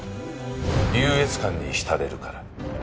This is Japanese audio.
優越感に浸れるから。